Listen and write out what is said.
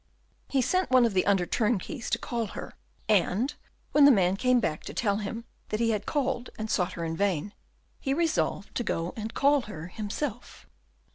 He sent one of the under turnkeys to call her; and, when the man came back to tell him that he had called and sought her in vain, he resolved to go and call her himself.